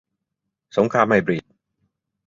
สงครามไฮบริด